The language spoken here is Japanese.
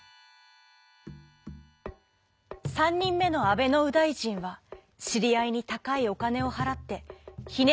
３にんめのあべのうだいじんはしりあいにたかいおかねをはらってひね